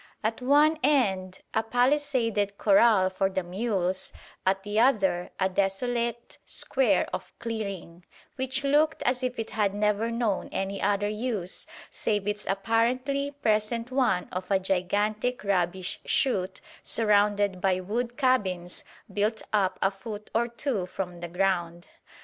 At one end a palisaded corral for the mules; at the other a desolate square of clearing, which looked as if it had never known any other use save its apparently present one of a gigantic rubbish shoot, surrounded by wood cabins built up a foot or two from the ground.